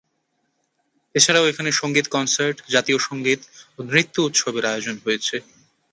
এছাড়াও এখানে সঙ্গীত কনসার্ট, জাতীয় সঙ্গীত ও নৃত্য উৎসবের আয়োজন হয়েছে।